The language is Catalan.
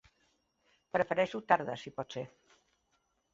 Prefereixo tardes, si pot ser.